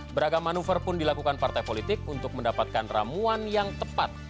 beragam manuver pun dilakukan partai politik untuk mendapatkan ramuan yang tepat